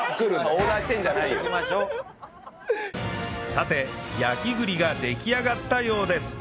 さて焼き栗が出来上がったようです